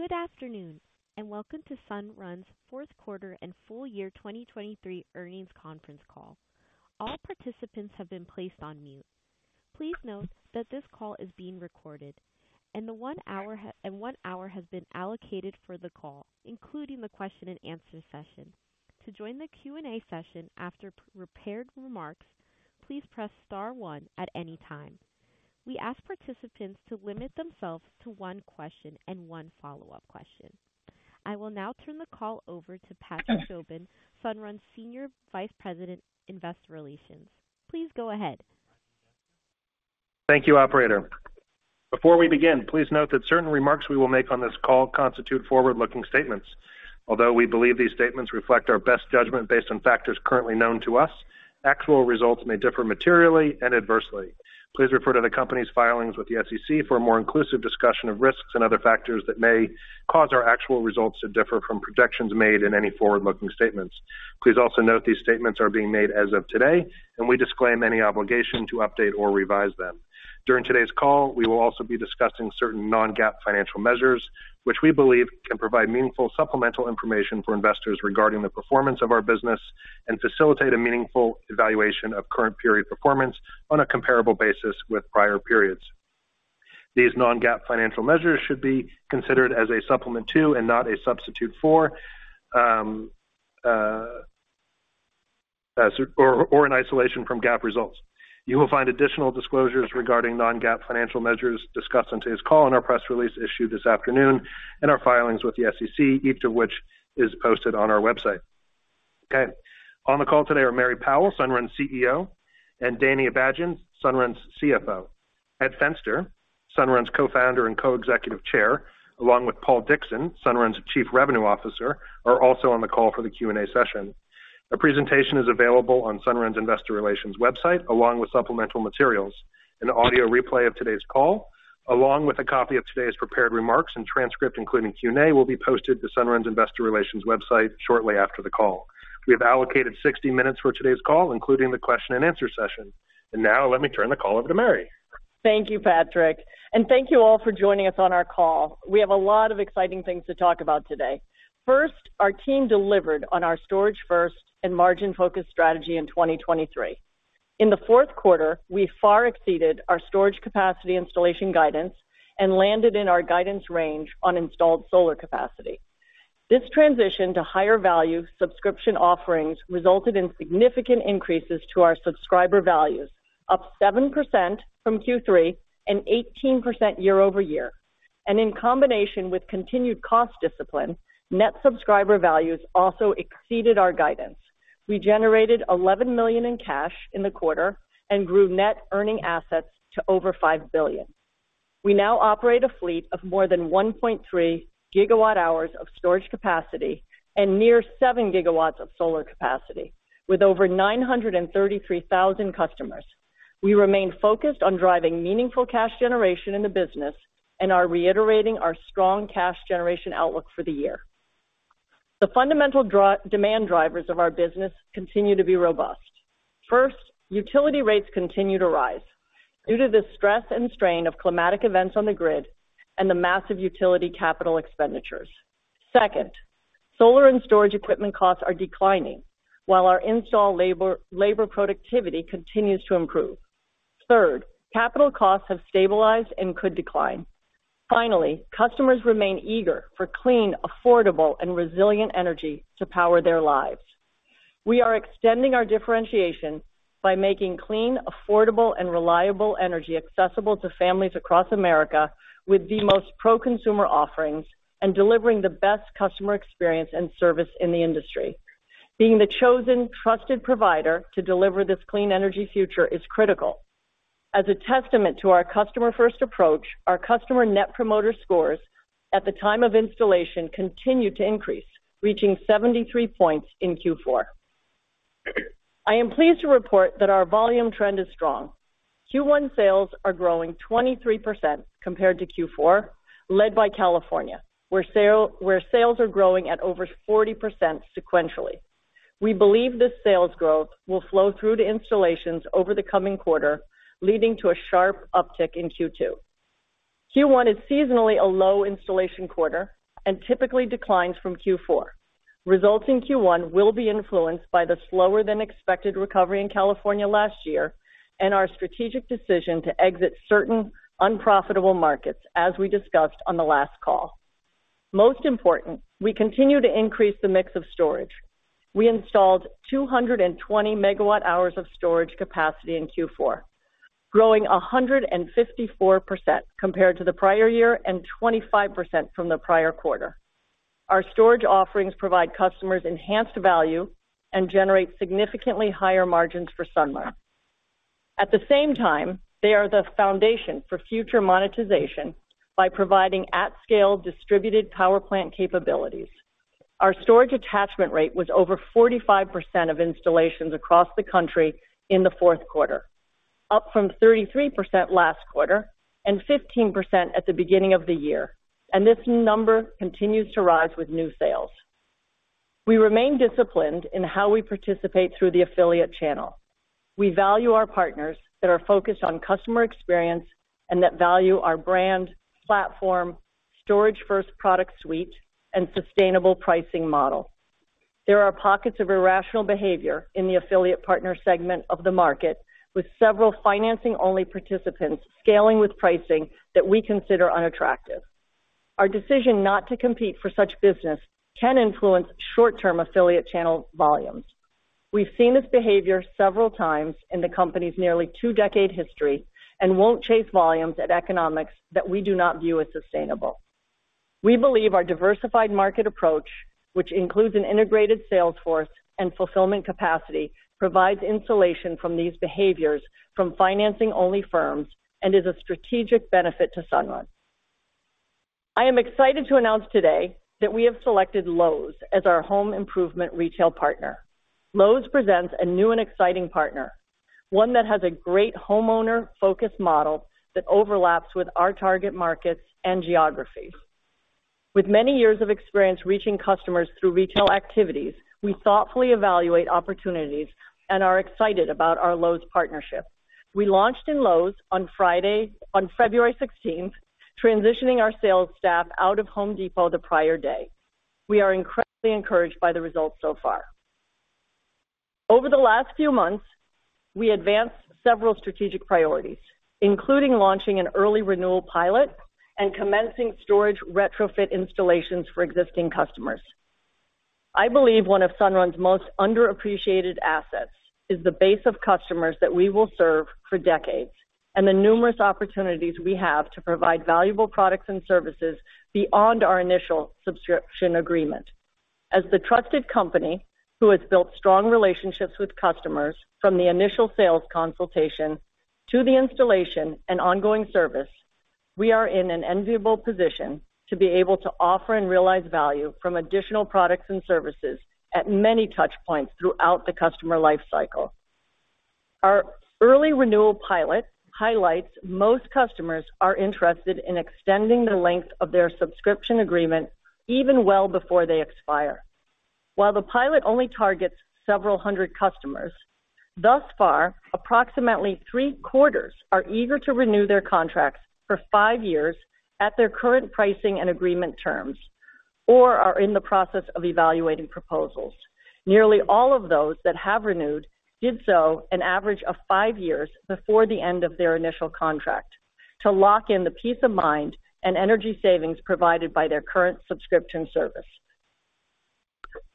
Good afternoon and welcome to Sunrun's fourth quarter and full year 2023 earnings conference call. All participants have been placed on mute. Please note that this call is being recorded, and one hour has been allocated for the call, including the question-and-answer session. To join the Q&A session after prepared remarks, please press star one at any time. We ask participants to limit themselves to one question and one follow-up question. I will now turn the call over to Patrick Jobin, Sunrun's Senior Vice President, Investor Relations. Please go ahead. Thank you, Operator. Before we begin, please note that certain remarks we will make on this call constitute forward-looking statements. Although we believe these statements reflect our best judgment based on factors currently known to us, actual results may differ materially and adversely. Please refer to the company's filings with the SEC for a more inclusive discussion of risks and other factors that may cause our actual results to differ from projections made in any forward-looking statements. Please also note these statements are being made as of today, and we disclaim any obligation to update or revise them. During today's call, we will also be discussing certain non-GAAP financial measures, which we believe can provide meaningful supplemental information for investors regarding the performance of our business and facilitate a meaningful evaluation of current period performance on a comparable basis with prior periods. These non-GAAP financial measures should be considered as a supplement to and not a substitute for or in isolation from GAAP results. You will find additional disclosures regarding non-GAAP financial measures discussed on today's call in our press release issued this afternoon and our filings with the SEC, each of which is posted on our website. Okay. On the call today are Mary Powell, Sunrun's CEO, and Danny Abajian, Sunrun's CFO. Ed Fenster, Sunrun's co-founder and co-executive chair, along with Paul Dickson, Sunrun's Chief Revenue Officer, are also on the call for the Q&A session. A presentation is available on Sunrun's Investor Relations website along with supplemental materials. An audio replay of today's call, along with a copy of today's prepared remarks and transcript including Q&A, will be posted to Sunrun's Investor Relations website shortly after the call. We have allocated 60 minutes for today's call, including the question-and-answer session. Now let me turn the call over to Mary. Thank you, Patrick. Thank you all for joining us on our call. We have a lot of exciting things to talk about today. First, our team delivered on our storage-first and margin-focused strategy in 2023. In the fourth quarter, we far exceeded our storage capacity installation guidance and landed in our guidance range on installed solar capacity. This transition to higher-value subscription offerings resulted in significant increases to our Subscriber Values, up 7% from Q3 and 18% year-over-year. In combination with continued [cost discipline], Net Subscriber Value also exceeded our guidance. We generated $11 million in cash in the quarter and grew Net Earning Assets to over $5 billion. We now operate a fleet of more than 1.3 GWh of storage capacity and near 7 GW of solar capacity with over 933,000 customers. We remain focused on driving meaningful cash generation in the business and are reiterating our strong cash generation outlook for the year. The fundamental demand drivers of our business continue to be robust. First, utility rates continue to rise due to the stress and strain of climatic events on the grid and the massive utility capital expenditures. Second, solar and storage equipment costs are declining while our install labor productivity continues to improve. Third, capital costs have stabilized and could decline. Finally, customers remain eager for clean, affordable, and resilient energy to power their lives. We are extending our differentiation by making clean, affordable, and reliable energy accessible to families across America with the most pro-consumer offerings and delivering the best customer experience and service in the industry. Being the chosen, trusted provider to deliver this clean energy future is critical. As a testament to our customer-first approach, our customer Net Promoter Scores at the time of installation continue to increase, reaching 73 points in Q4. I am pleased to report that our volume trend is strong. Q1 sales are growing 23% compared to Q4, led by California, where sales are growing at over 40% sequentially. We believe this sales growth will flow through to installations over the coming quarter, leading to a sharp uptick in Q2. Q1 is seasonally a low installation quarter and typically declines from Q4. Results in Q1 will be influenced by the slower-than-expected recovery in California last year and our strategic decision to exit certain unprofitable markets, as we discussed on the last call. Most important, we continue to increase the mix of storage. We installed 220 MWh of storage capacity in Q4, growing 154% compared to the prior year and 25% from the prior quarter. Our storage offerings provide customers enhanced value and generate significantly higher margins for Sunrun. At the same time, they are the foundation for future monetization by providing at-scale distributed power plant capabilities. Our storage attachment rate was over 45% of installations across the country in the fourth quarter, up from 33% last quarter and 15% at the beginning of the year. This number continues to rise with new sales. We remain disciplined in how we participate through the affiliate channel. We value our partners that are focused on customer experience and that value our brand, platform, storage-first product suite, and sustainable pricing model. There are pockets of irrational behavior in the Affiliate Partner segment of the market, with several financing-only participants scaling with pricing that we consider unattractive. Our decision not to compete for such business can influence short-term affiliate channel volumes. We've seen this behavior several times in the company's nearly two-decade history and won't chase volumes at economics that we do not view as sustainable. We believe our diversified market approach, which includes an integrated sales force and fulfillment capacity, provides insulation from these behaviors from financing-only firms and is a strategic benefit to Sunrun. I am excited to announce today that we have selected Lowe's as our home improvement retail partner. Lowe's presents a new and exciting partner, one that has a great homeowner-focused model that overlaps with our target markets and geographies. With many years of experience reaching customers through retail activities, we thoughtfully evaluate opportunities and are excited about our Lowe's partnership. We launched in Lowe's on February 16th, transitioning our sales staff out of Home Depot the prior day. We are incredibly encouraged by the results so far. Over the last few months, we advanced several strategic priorities, including launching an early renewal pilot and commencing storage retrofit installations for existing customers. I believe one of Sunrun's most underappreciated assets is the base of customers that we will serve for decades and the numerous opportunities we have to provide valuable products and services beyond our initial subscription agreement. As the trusted company who has built strong relationships with customers from the initial sales consultation to the installation and ongoing service, we are in an enviable position to be able to offer and realize value from additional products and services at many touchpoints throughout the customer lifecycle. Our early renewal pilot highlights most customers are interested in extending the length of their subscription agreement even well before they expire. While the pilot only targets several hundred customers, thus far, approximately three-quarters are eager to renew their contracts for five years at their current pricing and agreement terms or are in the process of evaluating proposals. Nearly all of those that have renewed did so an average of five years before the end of their initial contract to lock in the peace of mind and energy savings provided by their current subscription service.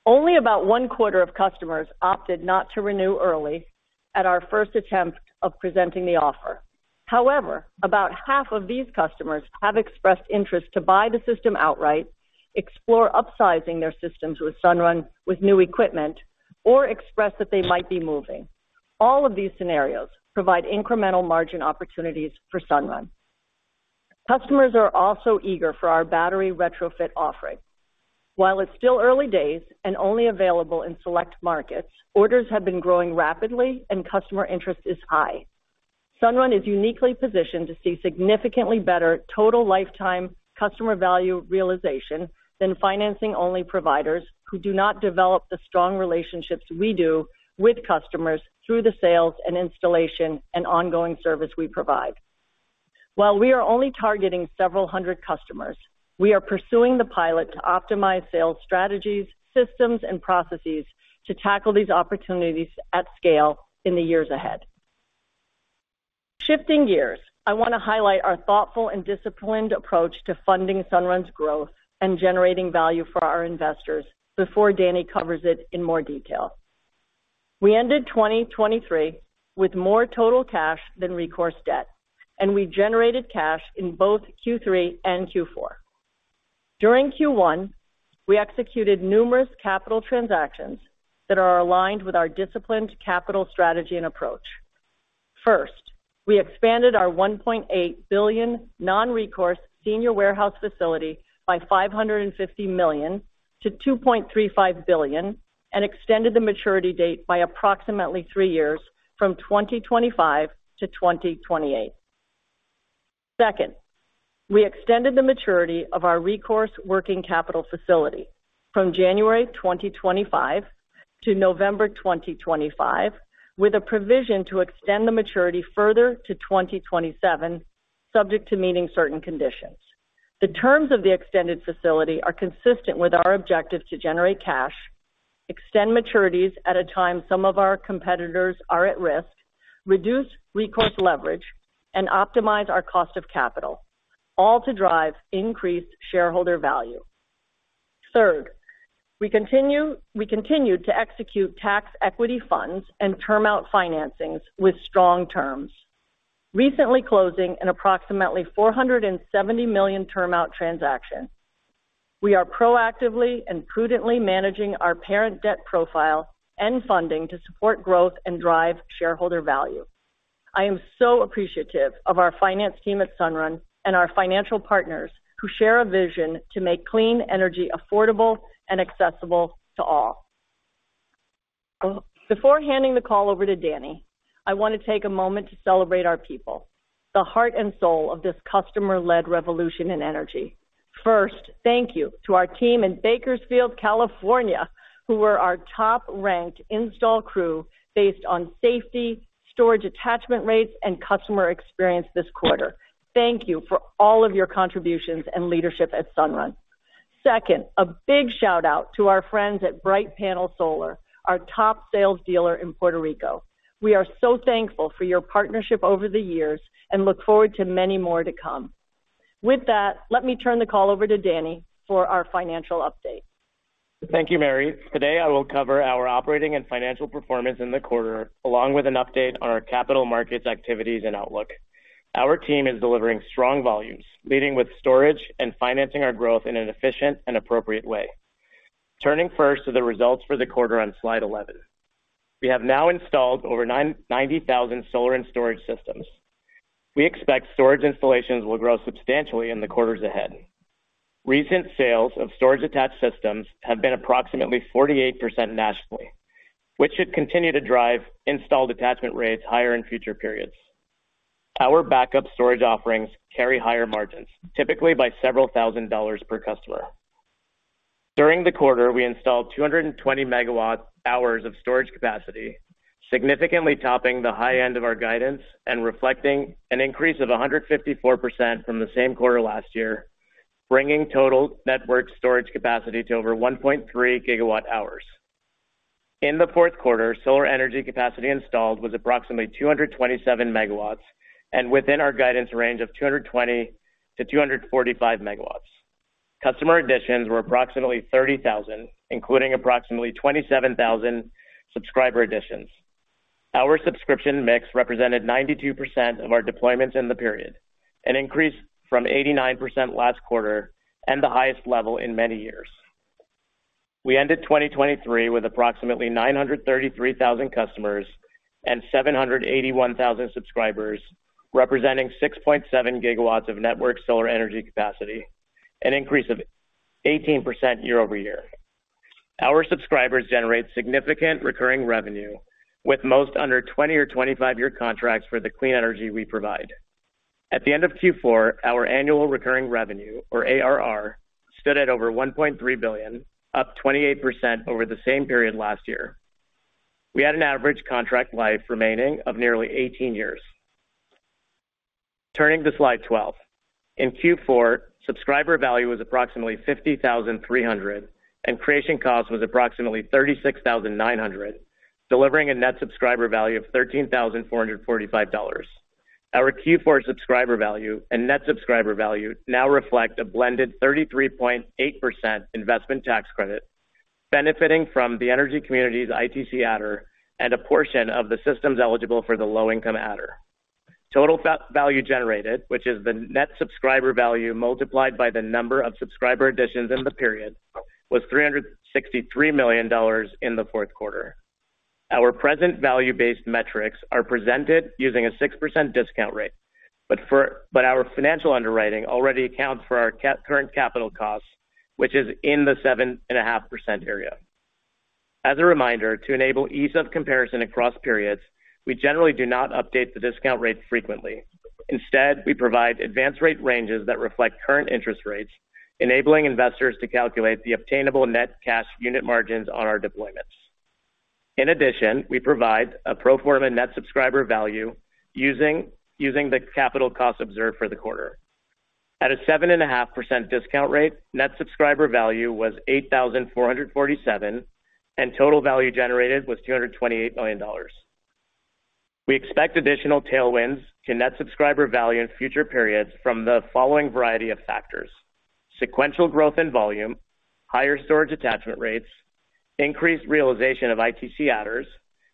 Only about one-quarter of customers opted not to renew early at our first attempt of presenting the offer. However, about half of these customers have expressed interest to buy the system outright, explore upsizing their systems with Sunrun with new equipment, or express that they might be moving. All of these scenarios provide incremental margin opportunities for Sunrun. Customers are also eager for our battery retrofit offering. While it's still early days and only available in select markets, orders have been growing rapidly and customer interest is high. Sunrun is uniquely positioned to see significantly better total lifetime customer value realization than financing-only providers who do not develop the strong relationships we do with customers through the sales and installation and ongoing service we provide. While we are only targeting several hundred customers, we are pursuing the pilot to optimize sales strategies, systems, and processes to tackle these opportunities at scale in the years ahead. Shifting gears, I want to highlight our thoughtful and disciplined approach to funding Sunrun's growth and generating value for our investors before Danny covers it in more detail. We ended 2023 with more total cash than recourse debt, and we generated cash in both Q3 and Q4. During Q1, we executed numerous capital transactions that are aligned with our disciplined capital strategy and approach. First, we expanded our $1.8 billion non-recourse senior warehouse facility by $550 million to $2.35 billion and extended the maturity date by approximately three years from 2025-2028. Second, we extended the maturity of our recourse working capital facility from January 2025 to November 2025, with a provision to extend the maturity further to 2027, subject to meeting certain conditions. The terms of the extended facility are consistent with our objective to generate cash, extend maturities at a time some of our competitors are at risk, reduce recourse leverage, and optimize our cost of capital, all to drive increased shareholder value. Third, we continued to execute tax equity funds and term-out financings with strong terms, recently closing an approximately $470 million term-out transaction. We are proactively and prudently managing our parent debt profile and funding to support growth and drive shareholder value. I am so appreciative of our finance team at Sunrun and our financial partners who share a vision to make clean energy affordable and accessible to all. Before handing the call over to Danny, I want to take a moment to celebrate our people, the heart and soul of this customer-led revolution in energy. First, thank you to our team in Bakersfield, California, who were our top-ranked install crew based on safety, storage attachment rates, and customer experience this quarter. Thank you for all of your contributions and leadership at Sunrun. Second, a big shout-out to our friends at Bright Panel Solar, our top sales dealer in Puerto Rico. We are so thankful for your partnership over the years and look forward to many more to come. With that, let me turn the call over to Danny for our financial update. Thank you, Mary. Today, I will cover our operating and financial performance in the quarter, along with an update on our capital markets activities and outlook. Our team is delivering strong volumes, leading with storage and financing our growth in an efficient and appropriate way. Turning first to the results for the quarter on slide 11. We have now installed over 90,000 solar and storage systems. We expect storage installations will grow substantially in the quarters ahead. Recent sales of storage-attached systems have been approximately 48% nationally, which should continue to drive installed attachment rates higher in future periods. Our backup storage offerings carry higher margins, typically by $several thousand per customer. During the quarter, we installed 220 MWh of storage capacity, significantly topping the high end of our guidance and reflecting an increase of 154% from the same quarter last year, bringing total network storage capacity to over 1.3 GWh. In the fourth quarter, solar energy capacity installed was approximately 227 MW and within our guidance range of 220-245 MW. Customer additions were approximately 30,000, including approximately 27,000 subscriber additions. Our subscription mix represented 92% of our deployments in the period, an increase from 89% last quarter and the highest level in many years. We ended 2023 with approximately 933,000 customers and 781,000 subscribers, representing 6.7 GW of network solar energy capacity, an increase of 18% year-over-year. Our subscribers generate significant recurring revenue, with most under 20- or 25-year contracts for the clean energy we provide. At the end of Q4, our Annual Recurring Revenue, or ARR, stood at over $1.3 billion, up 28% over the same period last year. We had an average contract life remaining of nearly 18 years. Turning to slide 12. In Q4, Subscriber Value was approximately $50,300, and Creation Cost was approximately $36,900, delivering a Net Subscriber Value of $13,445. Our Q4 Subscriber Value and Net Subscriber Value now reflect a blended 33.8% Investment Tax Credit, benefiting from the Energy Communities ITC Adder, and a portion of the systems eligible for the Low-Income Adder. Total Value Generated, which is the Net Subscriber Value multiplied by the number of subscriber additions in the period, was $363 million in the fourth quarter. Our present value-based metrics are presented using a 6% discount rate, but our financial underwriting already accounts for our current capital costs, which is in the 7.5% area. As a reminder, to enable ease of comparison across periods, we generally do not update the discount rate frequently. Instead, we provide advance rate ranges that reflect current interest rates, enabling investors to calculate the obtainable net cash unit margins on our deployments. In addition, we provide a pro forma Net Subscriber Value using the capital cost observed for the quarter. At a 7.5% discount rate, Net Subscriber Value was $8,447, and Total Value Generated was $228 million. We expect additional tailwinds to Net Subscriber Value in future periods from the following variety of factors: sequential growth in volume, higher storage attachment rates, increased realization of ITC adders,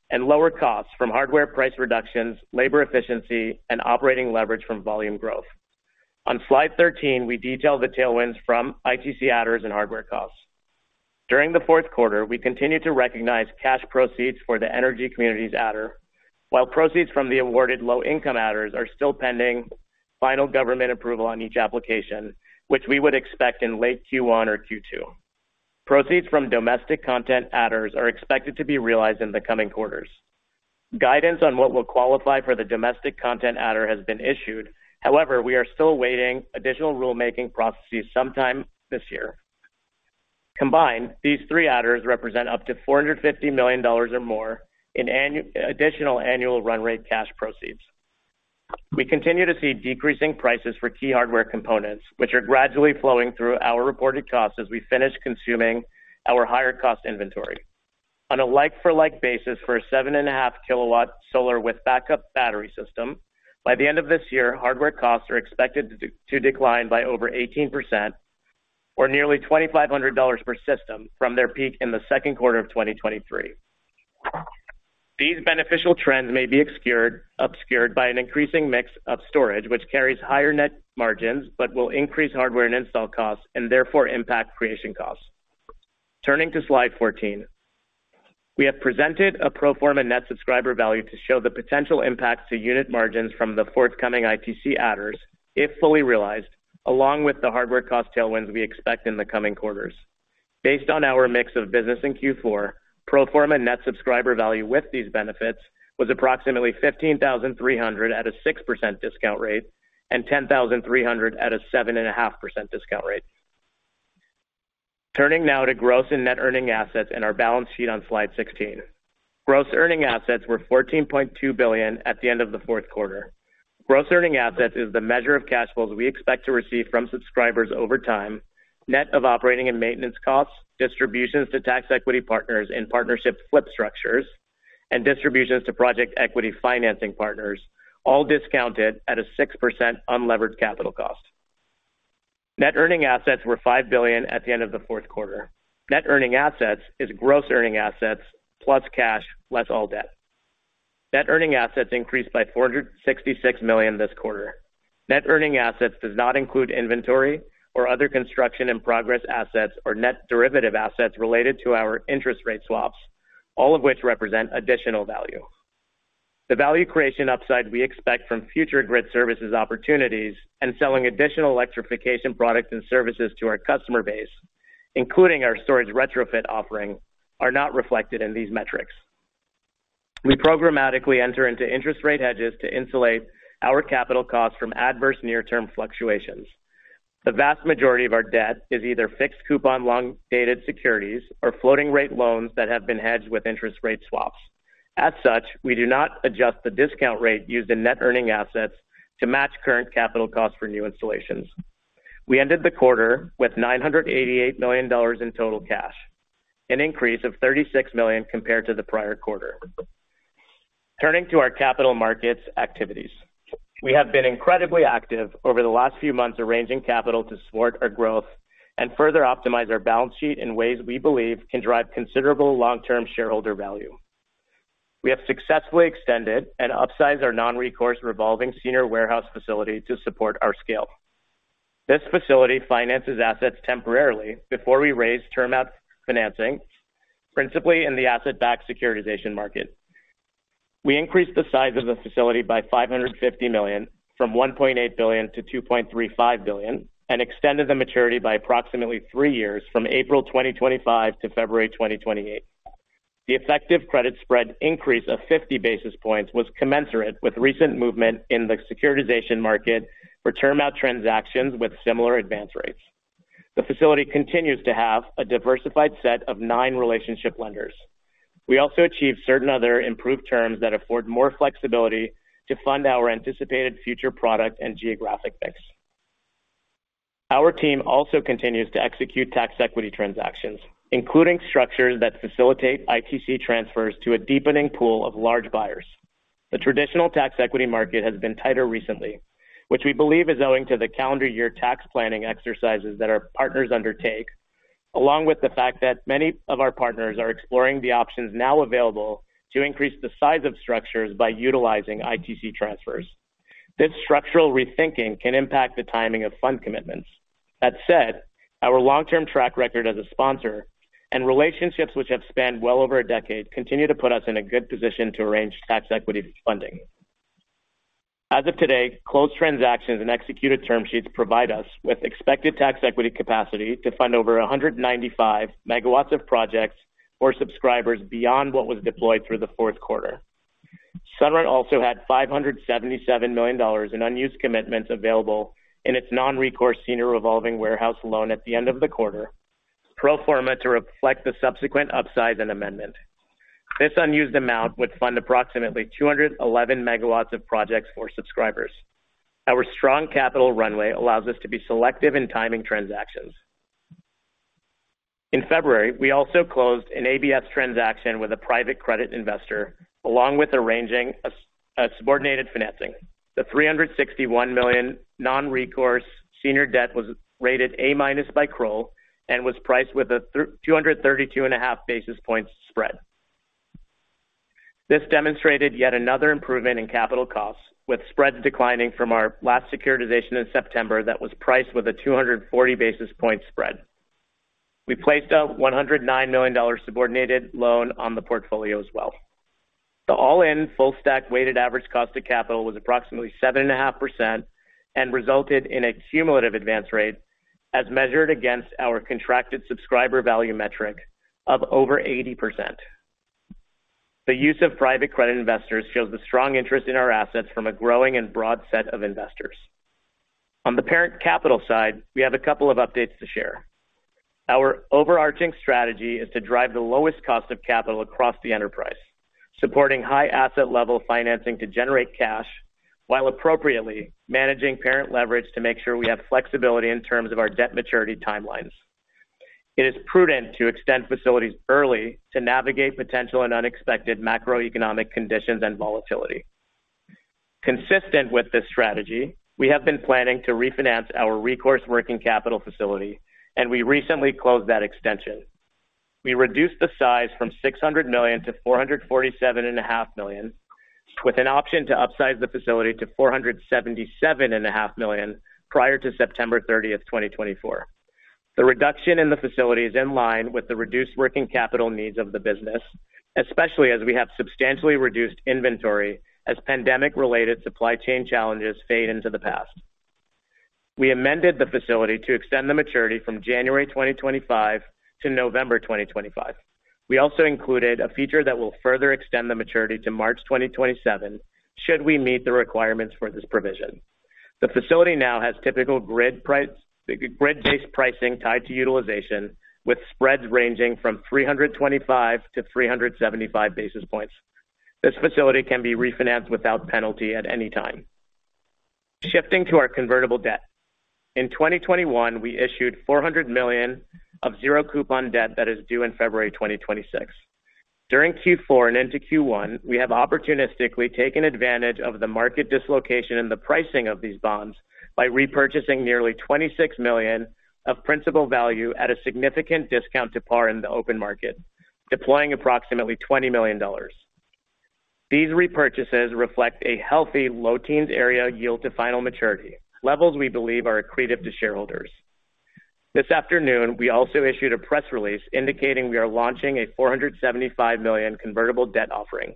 and lower costs from hardware price reductions, labor efficiency, and operating leverage from volume growth. On slide 13, we detail the tailwinds from ITC adders and hardware costs. During the fourth quarter, we continue to recognize cash proceeds for the Energy Communities Adder, while proceeds from the awarded Low-Income Adders are still pending final government approval on each application, which we would expect in late Q1 or Q2. Proceeds from Domestic Content Adders are expected to be realized in the coming quarters. Guidance on what will qualify for the Domestic Content Adder has been issued. However, we are still awaiting additional rulemaking processes sometime this year. Combined, these three adders represent up to $450 million or more in additional annual run-rate cash proceeds. We continue to see decreasing prices for key hardware components, which are gradually flowing through our reported costs as we finish consuming our higher-cost inventory. On a like-for-like basis for a 7.5 kW solar with backup battery system, by the end of this year, hardware costs are expected to decline by over 18% or nearly $2,500 per system from their peak in the second quarter of 2023. These beneficial trends may be obscured by an increasing mix of storage, which carries higher net margins but will increase hardware and install costs and therefore impact Creation Costs. Turning to slide 14. We have presented a pro forma Net Subscriber Value to show the potential impact to unit margins from the forthcoming ITC adders, if fully realized, along with the hardware cost tailwinds we expect in the coming quarters. Based on our mix of business in Q4, pro forma Net Subscriber Value with these benefits was approximately 15,300 at a 6% discount rate and 10,300 at a 7.5% discount rate. Turning now to Gross and Net Earning Assets in our balance sheet on slide 16. Gross Earning Assets were $14.2 billion at the end of the fourth quarter. Gross Earning Assets is the measure of cash flows we expect to receive from subscribers over time, net of operating and maintenance costs, distributions to tax equity partners in partnership flip structures, and distributions to project equity financing partners, all discounted at a 6% unlevered capital cost. Net Earning Assets were $5 billion at the end of the fourth quarter. Net Earning Assets is Gross Earning Assets plus cash, less all debt. Net Earning Assets increased by $466 million this quarter. Net Earning Assets does not include inventory or other construction in progress assets or net derivative assets related to our interest rate swaps, all of which represent additional value. The value creation upside we expect from future grid services opportunities and selling additional electrification products and services to our customer base, including our storage retrofit offering, are not reflected in these metrics. We programmatically enter into interest rate hedges to insulate our capital costs from adverse near-term fluctuations. The vast majority of our debt is either fixed coupon long-dated securities or floating-rate loans that have been hedged with interest rate swaps. As such, we do not adjust the discount rate used in Net Earning Assets to match current capital costs for new installations. We ended the quarter with $988 million in total cash, an increase of $36 million compared to the prior quarter. Turning to our capital markets activities. We have been incredibly active over the last few months arranging capital to support our growth and further optimize our balance sheet in ways we believe can drive considerable long-term shareholder value. We have successfully extended and upsized our non-recourse revolving senior warehouse facility to support our scale. This facility finances assets temporarily before we raise term-out financing, principally in the asset-backed securitization market. We increased the size of the facility by $550 million from $1.8 billion to $2.35 billion and extended the maturity by approximately three years from April 2025 to February 2028. The effective credit spread increase of 50 basis points was commensurate with recent movement in the securitization market for term-out transactions with similar advance rates. The facility continues to have a diversified set of nine relationship lenders. We also achieved certain other improved terms that afford more flexibility to fund our anticipated future product and geographic mix. Our team also continues to execute tax equity transactions, including structures that facilitate ITC transfers to a deepening pool of large buyers. The traditional tax equity market has been tighter recently, which we believe is owing to the calendar year tax planning exercises that our partners undertake, along with the fact that many of our partners are exploring the options now available to increase the size of structures by utilizing ITC transfers. This structural rethinking can impact the timing of fund commitments. That said, our long-term track record as a sponsor and relationships which have spanned well over a decade continue to put us in a good position to arrange tax equity funding. As of today, closed transactions and executed term sheets provide us with expected tax equity capacity to fund over 195 MW of projects or subscribers beyond what was deployed through the fourth quarter. Sunrun also had $577 million in unused commitments available in its non-recourse senior revolving warehouse loan at the end of the quarter, pro forma to reflect the subsequent upsize and amendment. This unused amount would fund approximately 211 MW of projects for subscribers. Our strong capital runway allows us to be selective in timing transactions. In February, we also closed an ABS transaction with a private credit investor along with arranging subordinated financing. The $361 million non-recourse senior debt was rated A-minus by Kroll and was priced with a 232.5 basis points spread. This demonstrated yet another improvement in capital costs, with spreads declining from our last securitization in September that was priced with a 240 basis points spread. We placed a $109 million subordinated loan on the portfolio as well. The all-in full-stack weighted average cost of capital was approximately 7.5% and resulted in a cumulative advance rate as measured against our contracted Subscriber Value metric of over 80%. The use of private credit investors shows the strong interest in our assets from a growing and broad set of investors. On the parent capital side, we have a couple of updates to share. Our overarching strategy is to drive the lowest cost of capital across the enterprise, supporting high asset-level financing to generate cash while appropriately managing parent leverage to make sure we have flexibility in terms of our debt maturity timelines. It is prudent to extend facilities early to navigate potential and unexpected macroeconomic conditions and volatility. Consistent with this strategy, we have been planning to refinance our recourse working capital facility, and we recently closed that extension. We reduced the size from $600 million to $447.5 million, with an option to upsize the facility to $477.5 million prior to September 30th, 2024. The reduction in the facility is in line with the reduced working capital needs of the business, especially as we have substantially reduced inventory as pandemic-related supply chain challenges fade into the past. We amended the facility to extend the maturity from January 2025 to November 2025. We also included a feature that will further extend the maturity to March 2027 should we meet the requirements for this provision. The facility now has typical grid-based pricing tied to utilization, with spreads ranging from 325-375 basis points. This facility can be refinanced without penalty at any time. Shifting to our convertible debt. In 2021, we issued $400 million of zero-coupon debt that is due in February 2026. During Q4 and into Q1, we have opportunistically taken advantage of the market dislocation in the pricing of these bonds by repurchasing nearly $26 million of principal value at a significant discount to par in the open market, deploying approximately $20 million. These repurchases reflect a healthy low-teens area yield to final maturity, levels we believe are accretive to shareholders. This afternoon, we also issued a press release indicating we are launching a $475 million convertible debt offering.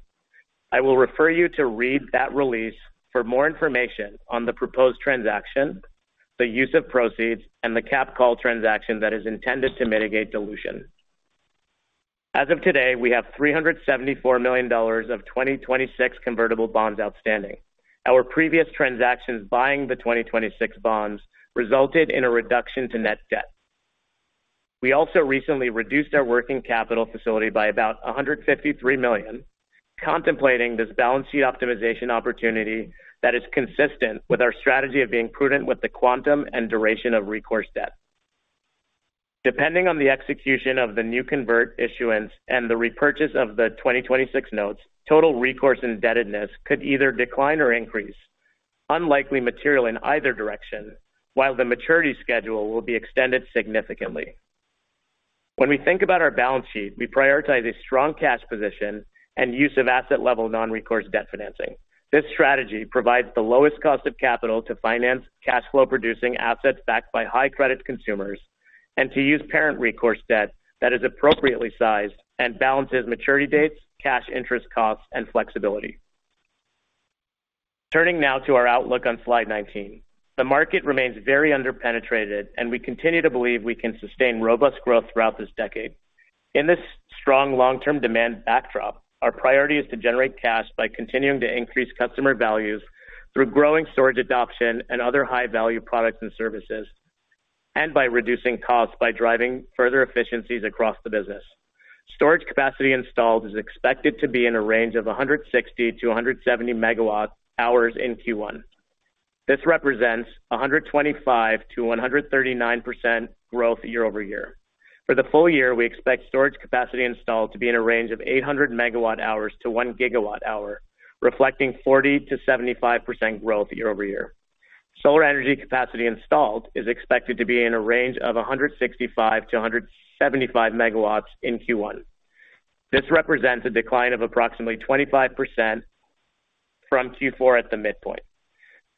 I will refer you to read that release for more information on the proposed transaction, the use of proceeds, and the capped call transaction that is intended to mitigate dilution. As of today, we have $374 million of 2026 convertible bonds outstanding. Our previous transactions buying the 2026 bonds resulted in a reduction to net debt. We also recently reduced our working capital facility by about $153 million, contemplating this balance sheet optimization opportunity that is consistent with our strategy of being prudent with the quantum and duration of recourse debt. Depending on the execution of the new convert issuance and the repurchase of the 2026 notes, total recourse indebtedness could either decline or increase, unlikely material in either direction, while the maturity schedule will be extended significantly. When we think about our balance sheet, we prioritize a strong cash position and use of asset-level non-recourse debt financing. This strategy provides the lowest cost of capital to finance cash flow-producing assets backed by high-credit consumers and to use parent recourse debt that is appropriately sized and balances maturity dates, cash interest costs, and flexibility. Turning now to our outlook on slide 19. The market remains very underpenetrated, and we continue to believe we can sustain robust growth throughout this decade. In this strong long-term demand backdrop, our priority is to generate cash by continuing to increase customer values through growing storage adoption and other high-value products and services, and by reducing costs by driving further efficiencies across the business. Storage capacity installed is expected to be in a range of 160-170 MWh in Q1. This represents 125%-139% growth year-over-year. For the full year, we expect storage capacity installed to be in a range of 800 MWh to 1 GWh, reflecting 40%-75% growth year-over-year. Solar energy capacity installed is expected to be in a range of 165-175 MW in Q1. This represents a decline of approximately 25% from Q4 at the midpoint.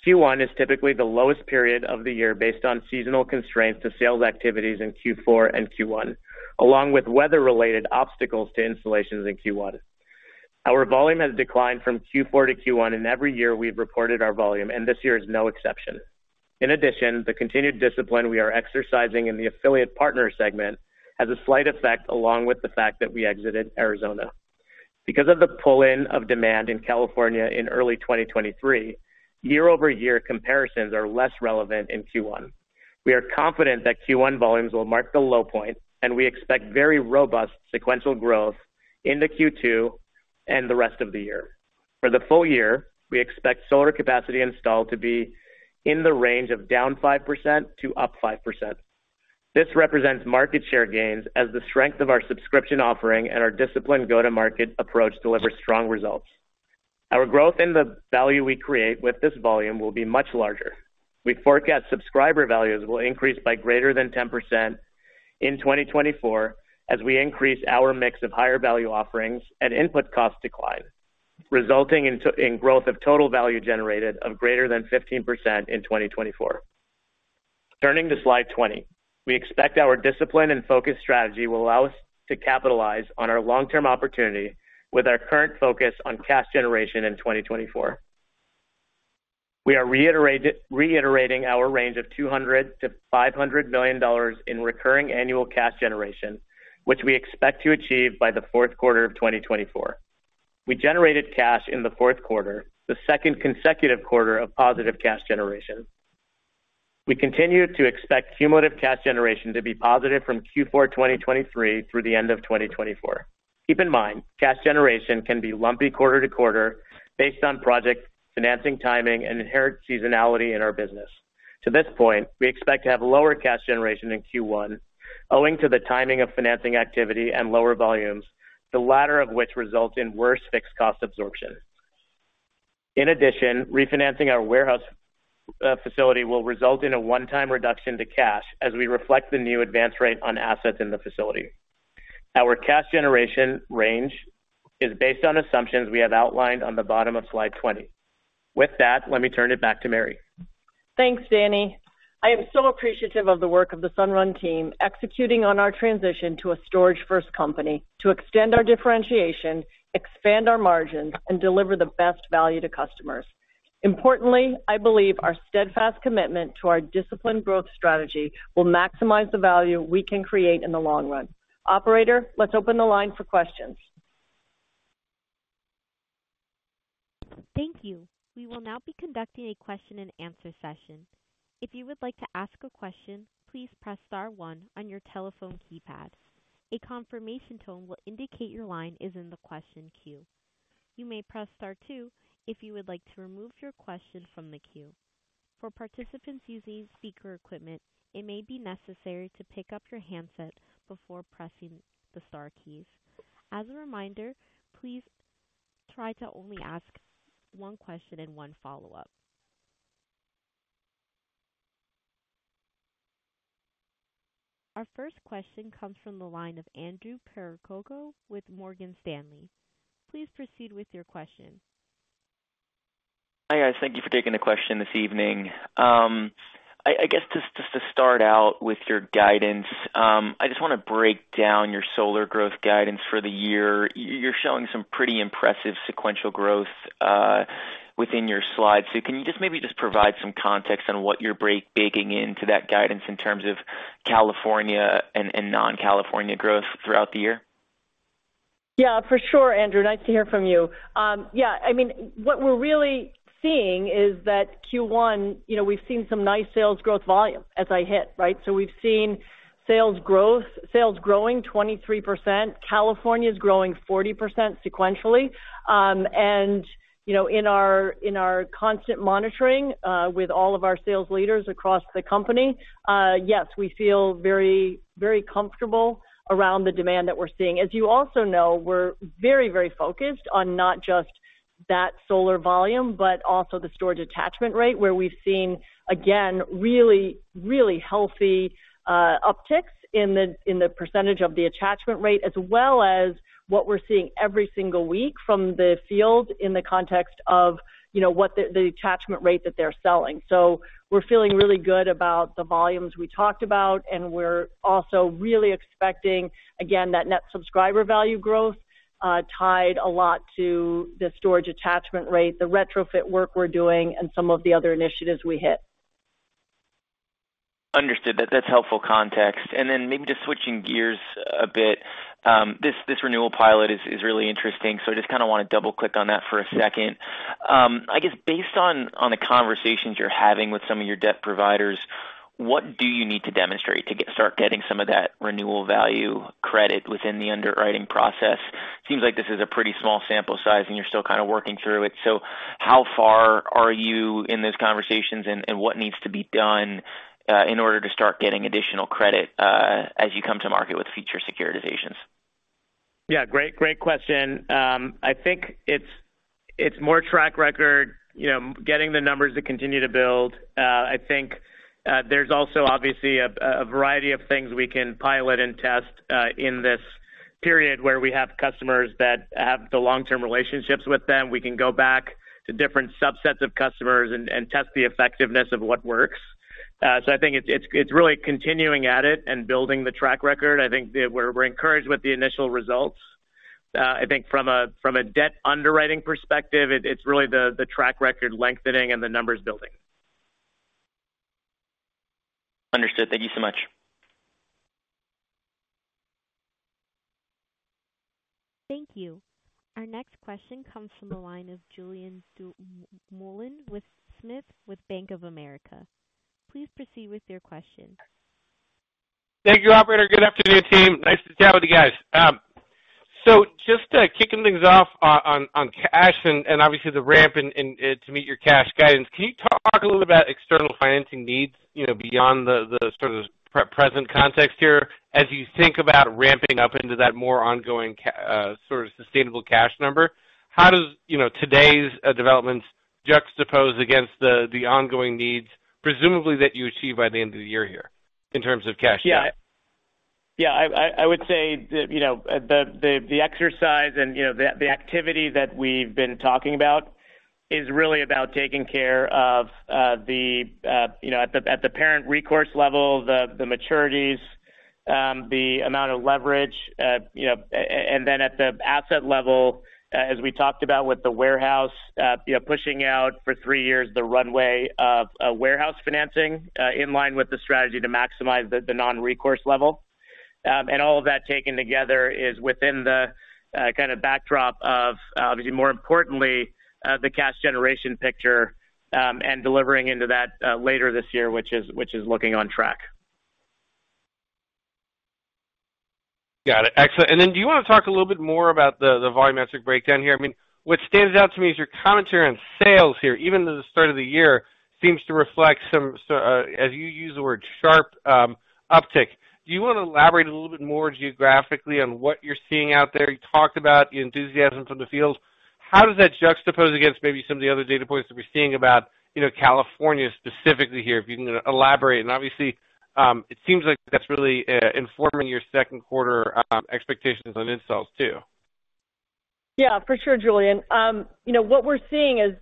Q1 is typically the lowest period of the year based on seasonal constraints to sales activities in Q4 and Q1, along with weather-related obstacles to installations in Q1. Our volume has declined from Q4 to Q1, and every year we've reported our volume, and this year is no exception. In addition, the continued discipline we are exercising in the Affiliate Partner segment has a slight effect along with the fact that we exited Arizona. Because of the pull-in of demand in California in early 2023, year-over-year comparisons are less relevant in Q1. We are confident that Q1 volumes will mark the low point, and we expect very robust sequential growth into Q2 and the rest of the year. For the full year, we expect solar capacity installed to be in the range of down 5% to up 5%. This represents market share gains as the strength of our subscription offering and our disciplined go-to-market approach delivers strong results. Our growth in the value we create with this volume will be much larger. We forecast Subscriber Values will increase by greater than 10% in 2024 as we increase our mix of higher-value offerings and input cost decline, resulting in growth of Total Value Generated of greater than 15% in 2024. Turning to slide 20. We expect our discipline and focus strategy will allow us to capitalize on our long-term opportunity with our current focus on cash generation in 2024. We are reiterating our range of $200 million-$500 million in recurring annual cash generation, which we expect to achieve by the fourth quarter of 2024. We generated cash in the fourth quarter, the second consecutive quarter of positive cash generation. We continue to expect cumulative cash generation to be positive from Q4 2023 through the end of 2024. Keep in mind, cash generation can be lumpy quarter to quarter based on project financing timing and inherent seasonality in our business. To this point, we expect to have lower cash generation in Q1, owing to the timing of financing activity and lower volumes, the latter of which results in worse fixed cost absorption. In addition, refinancing our warehouse facility will result in a one-time reduction to cash as we reflect the new advance rate on assets in the facility. Our cash generation range is based on assumptions we have outlined on the bottom of slide 20. With that, let me turn it back to Mary. Thanks, Danny. I am so appreciative of the work of the Sunrun team executing on our transition to a storage-first company to extend our differentiation, expand our margins, and deliver the best value to customers. Importantly, I believe our steadfast commitment to our disciplined growth strategy will maximize the value we can create in the long run. Operator, let's open the line for questions. Thank you. We will now be conducting a question-and-answer session. If you would like to ask a question, please press star one on your telephone keypad. A confirmation tone will indicate your line is in the question queue. You may press star two if you would like to remove your question from the queue. For participants using speaker equipment, it may be necessary to pick up your handset before pressing the star keys. As a reminder, please try to only ask one question and one follow-up. Our first question comes from the line of Andrew Percoco with Morgan Stanley. Please proceed with your question. Hi guys. Thank you for taking the question this evening. I guess just to start out with your guidance, I just want to break down your solar growth guidance for the year. You're showing some pretty impressive sequential growth, within your slides. So can you just maybe provide some context on what you're baking into that guidance in terms of California and non-California growth throughout the year? Yeah, for sure, Andrew. Nice to hear from you. Yeah, I mean, what we're really seeing is that Q1, you know, we've seen some nice sales growth volume as I hit, right? So we've seen sales growing 23%, California's growing 40% sequentially. And, you know, in our constant monitoring, with all of our sales leaders across the company, yes, we feel very, very comfortable around the demand that we're seeing. As you also know, we're very, very focused on not just that solar volume but also the storage attachment rate, where we've seen, again, really, really healthy, upticks in the percentage of the attachment rate as well as what we're seeing every single week from the field in the context of, you know, the attachment rate that they're selling. So we're feeling really good about the volumes we talked about, and we're also really expecting, again, that Net Subscriber Value growth, tied a lot to the storage attachment rate, the retrofit work we're doing, and some of the other initiatives we hit. Understood. That's helpful context. And then maybe just switching gears a bit. This renewal pilot is really interesting, so I just kind of want to double-click on that for a second. I guess based on the conversations you're having with some of your debt providers, what do you need to demonstrate to start getting some of that renewal value credit within the underwriting process? Seems like this is a pretty small sample size, and you're still kind of working through it. So how far are you in those conversations, and what needs to be done, in order to start getting additional credit, as you come to market with future securitizations? Yeah, great question. I think it's more track record, you know, getting the numbers to continue to build. I think, there's also, obviously, a variety of things we can pilot and test, in this period where we have customers that have the long-term relationships with them. We can go back to different subsets of customers and test the effectiveness of what works. So I think it's really continuing at it and building the track record. I think we're encouraged with the initial results. I think from a debt underwriting perspective, it's really the track record lengthening and the numbers building. Understood. Thank you so much. Thank you. Our next question comes from the line of Julien Dumoulin-Smith with Bank of America. Please proceed with your question. Thank you, operator. Good afternoon, team. Nice to chat with you guys. So just to kick things off on cash and obviously the ramp to meet your cash guidance, can you talk a little bit about external financing needs beyond the sort of present context here? As you think about ramping up into that more ongoing sort of sustainable cash number, how does today's developments juxtapose against the ongoing needs presumably that you achieve by the end of the year here in terms of cash? Yeah. Yeah, I would say that the exercise and the activity that we've been talking about is really about taking care of, at the parent recourse level, the maturities, the amount of leverage, and then at the asset level, as we talked about with the warehouse, pushing out for three years the runway of warehouse financing in line with the strategy to maximize the non-recourse level. All of that taken together is within the kind of backdrop of, obviously, more importantly, the cash generation picture and delivering into that later this year, which is looking on track. Got it. Excellent. And then do you want to talk a little bit more about the volumetric breakdown here? I mean, what stands out to me is your commentary on sales here, even though the start of the year seems to reflect some, as you use the word, sharp uptick. Do you want to elaborate a little bit more geographically on what you're seeing out there? You talked about the enthusiasm from the field. How does that juxtapose against maybe some of the other data points that we're seeing about California specifically here, if you can elaborate? And obviously, it seems like that's really informing your second quarter expectations on installs too. Yeah, for sure, Julian. What we're seeing is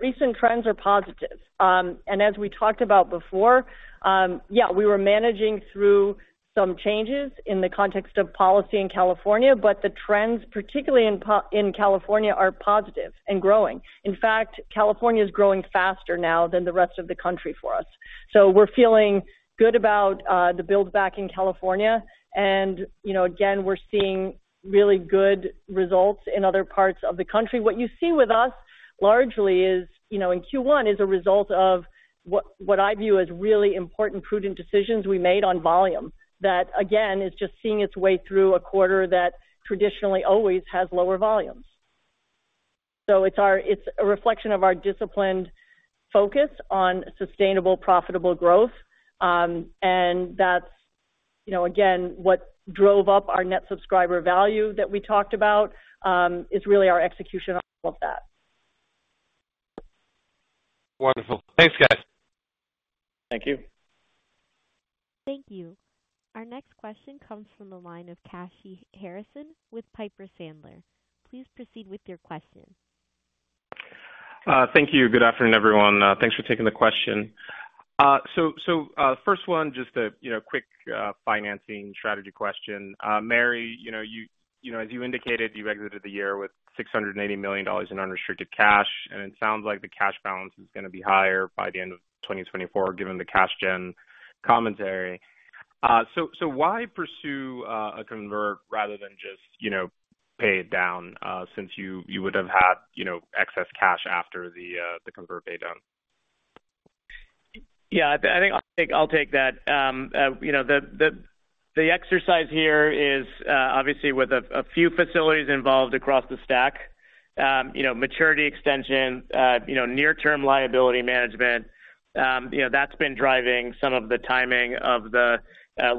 recent trends are positive. As we talked about before, yeah, we were managing through some changes in the context of policy in California, but the trends, particularly in California, are positive and growing. In fact, California's growing faster now than the rest of the country for us. We're feeling good about the buildback in California. Again, we're seeing really good results in other parts of the country. What you see with us largely in Q1 is a result of what I view as really important, prudent decisions we made on volume that, again, is just seeing its way through a quarter that traditionally always has lower volumes. It's a reflection of our disciplined focus on sustainable, profitable growth. That's, again, what drove up our Net Subscriber Value that we talked about is really our execution of that. Wonderful. Thanks, guys. Thank you. Thank you. Our next question comes from the line of Kashy Harrison with Piper Sandler. Please proceed with your question. Thank you. Good afternoon, everyone. Thanks for taking the question. So first one, just a quick financing strategy question. Mary, as you indicated, you exited the year with $680 million in unrestricted cash, and it sounds like the cash balance is going to be higher by the end of 2024 given the Cash Gen commentary. So why pursue a convert rather than just pay it down since you would have had excess cash after the convert paydown? Yeah, I think I'll take that. The exercise here is obviously with a few facilities involved across the stack: maturity extension, near-term liability management. That's been driving some of the timing of the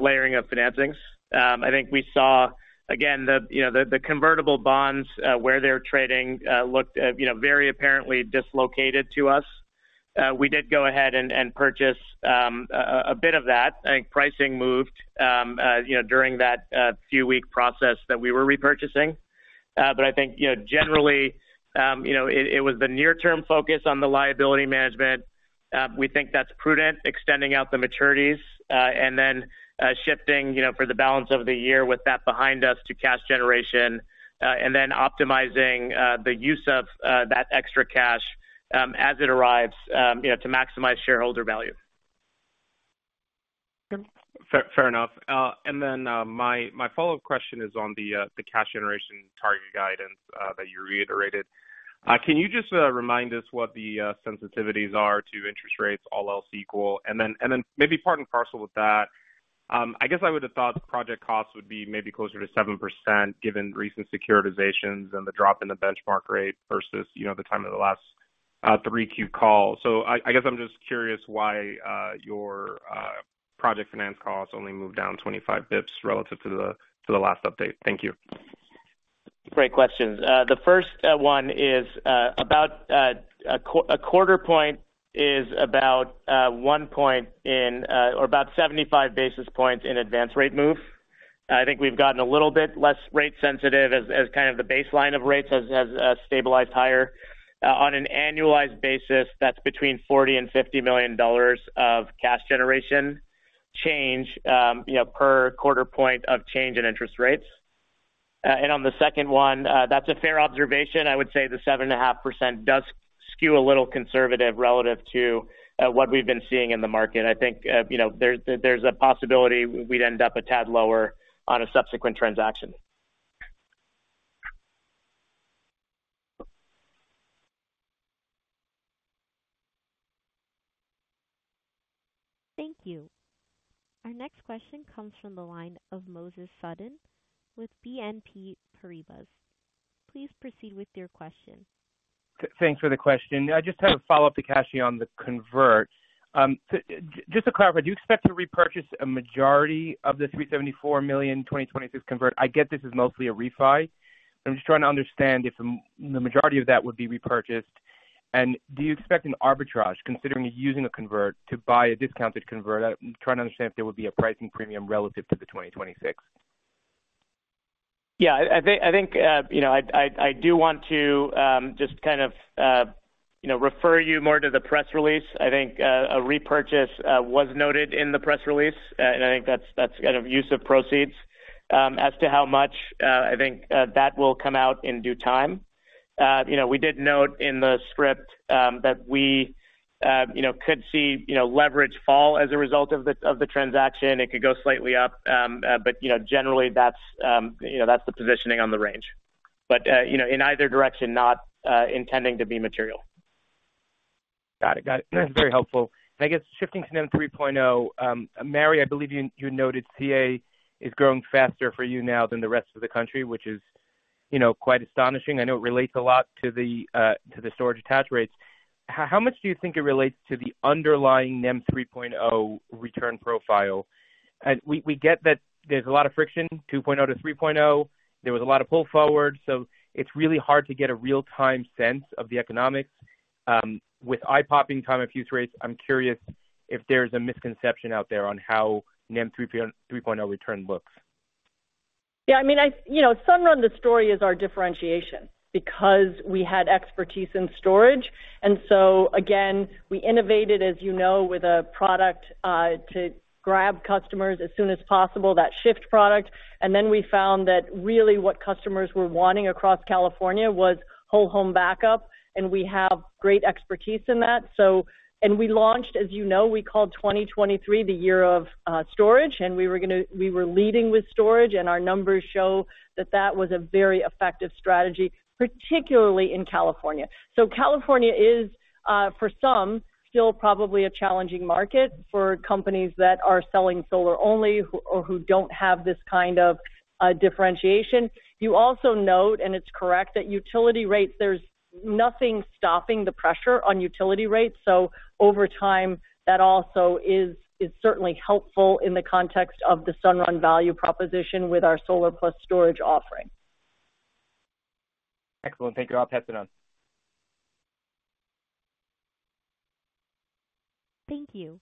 layering of financings. I think we saw, again, the convertible bonds, where they're trading, looked very apparently dislocated to us. We did go ahead and purchase a bit of that. I think pricing moved during that few-week process that we were repurchasing. But I think generally, it was the near-term focus on the liability management. We think that's prudent, extending out the maturities and then shifting for the balance of the year with that behind us to cash generation and then optimizing the use of that extra cash as it arrives to maximize shareholder value. Fair enough. Then my follow-up question is on the cash generation target guidance that you reiterated. Can you just remind us what the sensitivities are to interest rates, all else equal? Then maybe part and parcel with that, I guess I would have thought project costs would be maybe closer to 7% given recent securitizations and the drop in the benchmark rate versus the time of the last 3Q call. So I guess I'm just curious why your project finance costs only moved down 25 basis points relative to the last update. Thank you. Great questions. The first one is about a quarter point is about 1 point in or about 75 basis points in advance rate move. I think we've gotten a little bit less rate sensitive as kind of the baseline of rates has stabilized higher. On an annualized basis, that's between $40 million and $50 million of cash generation change per quarter point of change in interest rates. And on the second one, that's a fair observation. I would say the 7.5% does skew a little conservative relative to what we've been seeing in the market. I think there's a possibility we'd end up a tad lower on a subsequent transaction. Thank you. Our next question comes from the line of Moses Sutton with BNP Paribas. Please proceed with your question. Thanks for the question. I just have a follow-up to Kashy on the convert. Just to clarify, do you expect to repurchase a majority of the $374 million 2026 convert? I get this is mostly a refi, but I'm just trying to understand if the majority of that would be repurchased. And do you expect an arbitrage, considering using a convert, to buy a discounted convert? I'm trying to understand if there would be a pricing premium relative to the 2026. Yeah, I think I do want to just kind of refer you more to the press release. I think a repurchase was noted in the press release, and I think that's kind of use of proceeds as to how much. I think that will come out in due time. We did note in the script that we could see leverage fall as a result of the transaction. It could go slightly up, but generally, that's the positioning on the range. But in either direction, not intending to be material. Got it. Got it. That's very helpful. And I guess shifting to NEM 3.0, Mary, I believe you noted CA is growing faster for you now than the rest of the country, which is quite astonishing. I know it relates a lot to the storage attach rates. How much do you think it relates to the underlying NEM 3.0 return profile? And we get that there's a lot of friction. 2.0 to 3.0, there was a lot of pull forward, so it's really hard to get a real-time sense of the economics. With eye-popping time-of-use rates, I'm curious if there's a misconception out there on how NEM 3.0 return looks. Yeah, I mean, Sunrun, the story is our differentiation because we had expertise in storage. And so, again, we innovated, as you know, with a product to grab customers as soon as possible, that Shift product. And then we found that really what customers were wanting across California was whole home backup, and we have great expertise in that. And we launched, as you know, we called 2023 the year of storage, and we were leading with storage. And our numbers show that that was a very effective strategy, particularly in California. So California is, for some, still probably a challenging market for companies that are selling solar only or who don't have this kind of differentiation. You also note, and it's correct, that utility rates, there's nothing stopping the pressure on utility rates. Over time, that also is certainly helpful in the context of the Sunrun value proposition with our solar plus storage offering. Excellent. Thank you all. Pass it on. Thank you.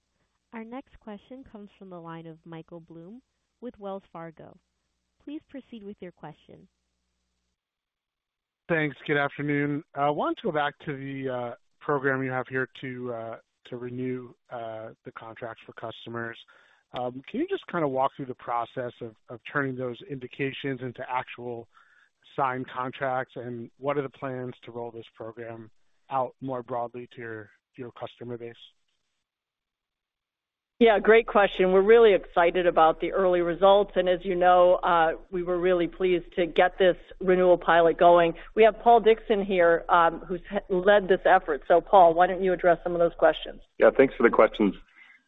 Our next question comes from the line of Michael Blum with Wells Fargo. Please proceed with your question. Thanks. Good afternoon. I want to go back to the program you have here to renew the contracts for customers. Can you just kind of walk through the process of turning those indications into actual signed contracts, and what are the plans to roll this program out more broadly to your customer base? Yeah, great question. We're really excited about the early results. And as you know, we were really pleased to get this renewal pilot going. We have Paul Dickson here who's led this effort. So, Paul, why don't you address some of those questions? Yeah, thanks for the questions.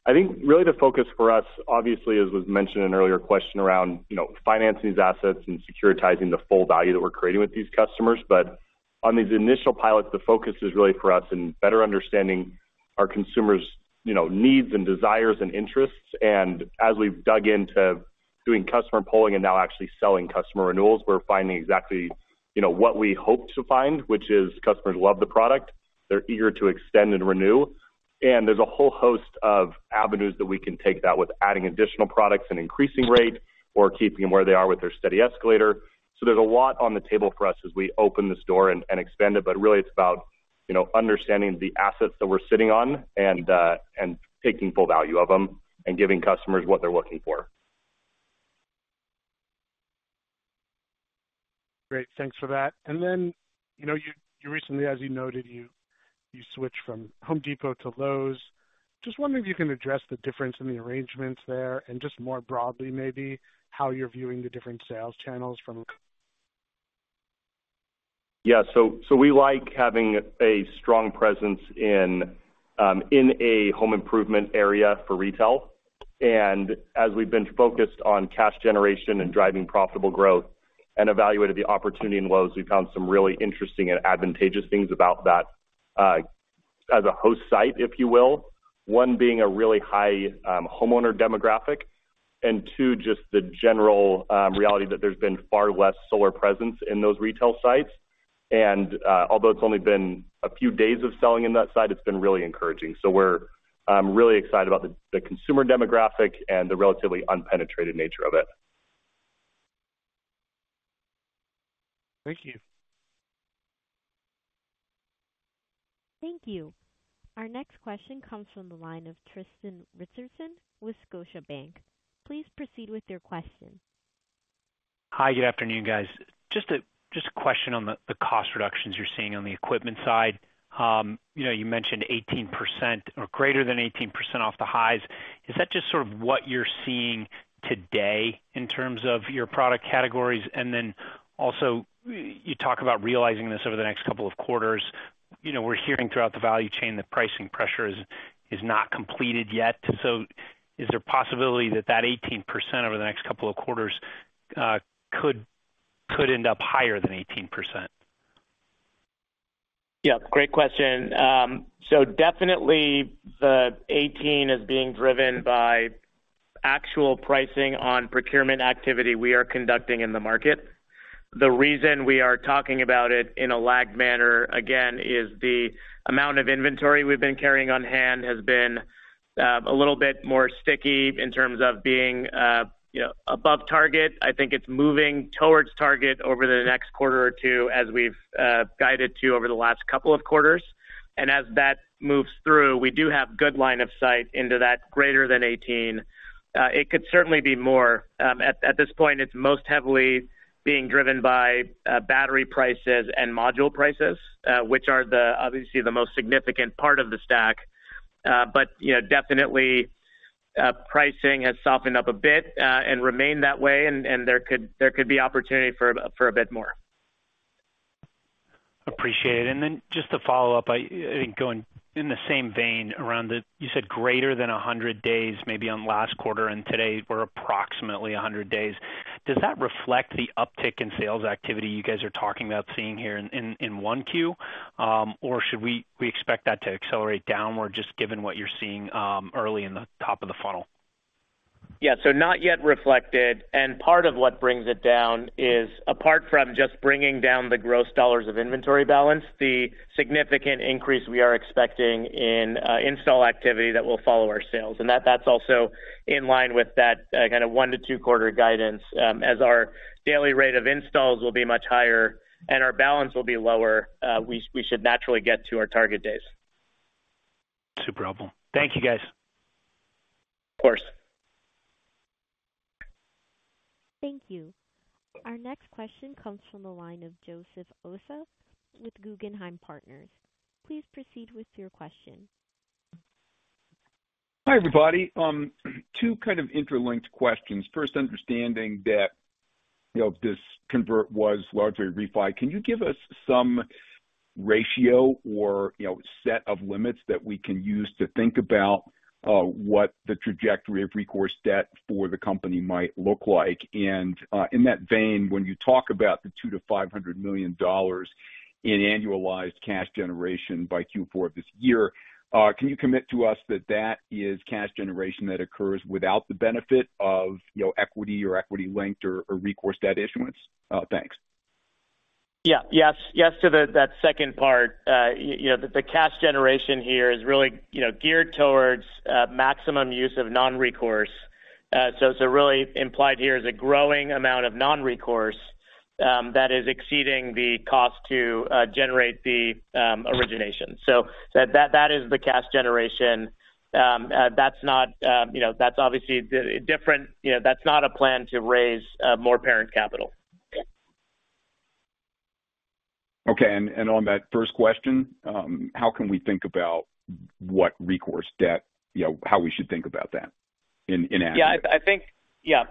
I think really the focus for us, obviously, as was mentioned in an earlier question around financing these assets and securitizing the full value that we're creating with these customers. But on these initial pilots, the focus is really for us in better understanding our consumers' needs and desires and interests. And as we've dug into doing customer polling and now actually selling customer renewals, we're finding exactly what we hoped to find, which is customers love the product, they're eager to extend and renew, and there's a whole host of avenues that we can take that with adding additional products and increasing rate or keeping them where they are with their steady escalator. So there's a lot on the table for us as we open this door and expand it. Really, it's about understanding the assets that we're sitting on and taking full value of them and giving customers what they're looking for. Great. Thanks for that. And then you recently, as you noted, you switched from Home Depot to Lowe's. Just wondering if you can address the difference in the arrangements there and just more broadly, maybe, how you're viewing the different sales channels from. Yeah. So we like having a strong presence in a home improvement area for retail. And as we've been focused on cash generation and driving profitable growth and evaluated the opportunity in Lowe's, we found some really interesting and advantageous things about that as a host site, if you will, one being a really high homeowner demographic and two, just the general reality that there's been far less solar presence in those retail sites. And although it's only been a few days of selling in that site, it's been really encouraging. So we're really excited about the consumer demographic and the relatively unpenetrated nature of it. Thank you. Thank you. Our next question comes from the line of Tristan Richardson with Scotiabank. Please proceed with your question. Hi. Good afternoon, guys. Just a question on the cost reductions you're seeing on the equipment side. You mentioned 18% or greater than 18% off the highs. Is that just sort of what you're seeing today in terms of your product categories? And then also, you talk about realizing this over the next couple of quarters. We're hearing throughout the value chain that pricing pressure is not completed yet. So is there a possibility that that 18% over the next couple of quarters could end up higher than 18%? Yeah, great question. So definitely, the 18 is being driven by actual pricing on procurement activity we are conducting in the market. The reason we are talking about it in a lagged manner, again, is the amount of inventory we've been carrying on hand has been a little bit more sticky in terms of being above target. I think it's moving towards target over the next quarter or two as we've guided to over the last couple of quarters. And as that moves through, we do have good line of sight into that greater than 18. It could certainly be more. At this point, it's most heavily being driven by battery prices and module prices, which are obviously the most significant part of the stack. But definitely, pricing has softened up a bit and remained that way, and there could be opportunity for a bit more. Appreciate it. And then just to follow up, I think going in the same vein around the you said greater than 100 days, maybe on last quarter, and today we're approximately 100 days. Does that reflect the uptick in sales activity you guys are talking about seeing here in Q1, or should we expect that to accelerate downward just given what you're seeing early in the top of the funnel? Yeah, not yet reflected. Part of what brings it down is, apart from just bringing down the gross dollars of inventory balance, the significant increase we are expecting in install activity that will follow our sales. That's also in line with that kind of one- to two-quarter guidance. As our daily rate of installs will be much higher and our balance will be lower, we should naturally get to our target days. Super helpful. Thank you, guys. Of course. Thank you. Our next question comes from the line of Joseph Osha with Guggenheim Partners. Please proceed with your question. Hi, everybody. Two kinds of interlinked questions. First, understanding that this convert was largely a refi. Can you give us some ratio or set of limits that we can use to think about what the trajectory of recourse debt for the company might look like? And in that vein, when you talk about the $2 million-$500 million in annualized cash generation by Q4 of this year, can you commit to us that that is cash generation that occurs without the benefit of equity or equity-linked or recourse debt issuance? Thanks. Yeah. Yes to that second part. The cash generation here is really geared towards maximum use of non-recourse. So it's really implied here is a growing amount of non-recourse that is exceeding the cost to generate the origination. So that is the cash generation. That's obviously different. That's not a plan to raise more parent capital. Okay. On that first question, how can we think about what recourse debt, how we should think about that in action? Yeah. I think, yeah,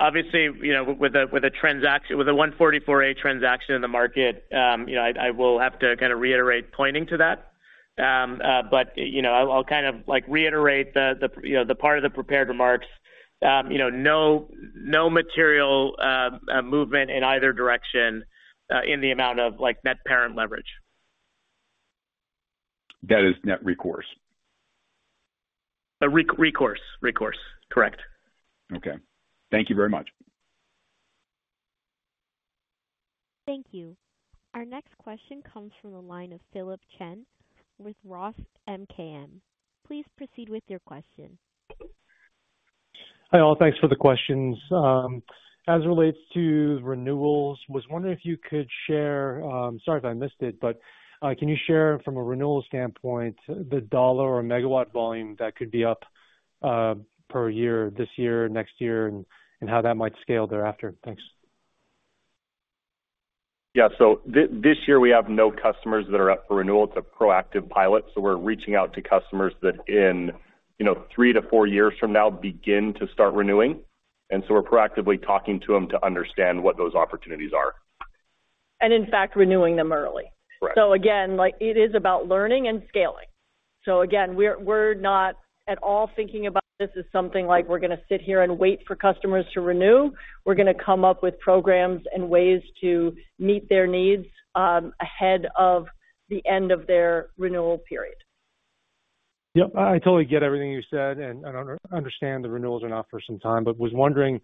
obviously, with a 144A transaction in the market, I will have to kind of reiterate pointing to that. But I'll kind of reiterate the part of the prepared remarks. No material movement in either direction in the amount of net parent leverage. That is net recourse? Recourse. Recourse. Correct. Okay. Thank you very much. Thank you. Our next question comes from the line of Philip Shen with ROTH MKM. Please proceed with your question. Hi all. Thanks for the questions. As it relates to renewals, I was wondering if you could share, sorry if I missed it, but can you share, from a renewal standpoint, the dollar or megawatt volume that could be up per year this year, next year, and how that might scale thereafter? Thanks. Yeah. So this year, we have no customers that are up for renewal. It's a proactive pilot. So we're reaching out to customers that, in 3-4 years from now, begin to start renewing. And so we're proactively talking to them to understand what those opportunities are. In fact, renewing them early. Again, it is about learning and scaling. Again, we're not at all thinking about this as something like we're going to sit here and wait for customers to renew. We're going to come up with programs and ways to meet their needs ahead of the end of their renewal period. Yep. I totally get everything you said, and I understand the renewals are not for some time, but was wondering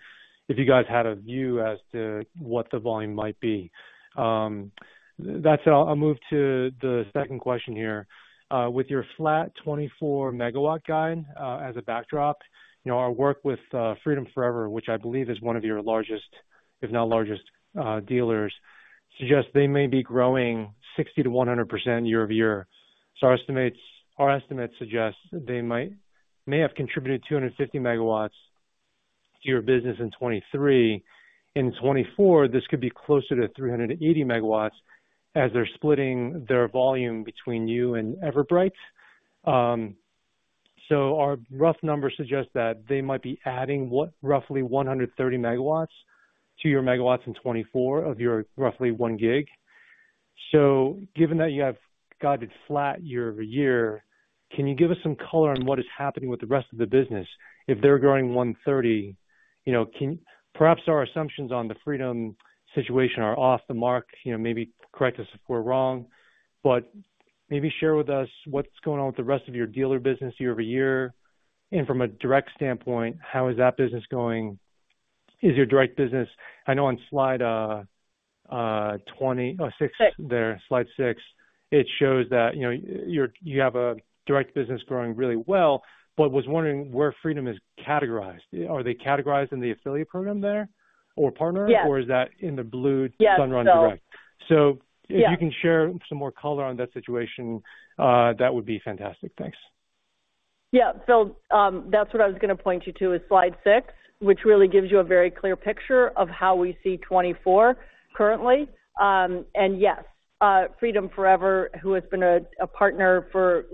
if you guys had a view as to what the volume might be. That said, I'll move to the second question here. With your flat 24 MW guide as a backdrop, our work with Freedom Forever, which I believe is one of your largest, if not largest, dealers, suggests they may be growing 60%-100% year-over-year. So our estimates suggest they may have contributed 250 MW to your business in 2023. In 2024, this could be closer to 380 MW as they're splitting their volume between you and EverBright. So our rough number suggests that they might be adding roughly 130 MW to your megawatts in 2024 of your roughly 1 GW. So given that you have got it flat year-over-year, can you give us some color on what is happening with the rest of the business? If they're growing 130 MW, perhaps our assumptions on the Freedom situation are off the mark. Maybe correct us if we're wrong, but maybe share with us what's going on with the rest of your dealer business year-over-year. And from a Direct standpoint, how is that business going? Is your Direct business, I know, on Slide 6 there. Slide 6, it shows that you have a Direct business growing really well, but was wondering where Freedom is categorized. Are they categorized in the affiliate program there or partners, or is that in the blue Sunrun Direct? So if you can share some more color on that situation, that would be fantastic. Thanks. Yeah. So that's what I was going to point you to is slide 6, which really gives you a very clear picture of how we see 2024 currently. And yes, Freedom Forever, who has been a partner for